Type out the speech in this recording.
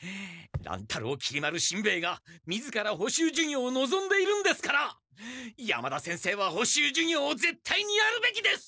乱太郎きり丸しんべヱがみずから補習授業をのぞんでいるんですから山田先生は補習授業を絶対にやるべきです！